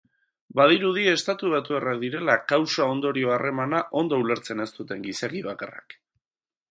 Badirudi estatubatuarrak direla kausa-ondorio harremana ondo ulertzen ez duten gizaki bakarrak.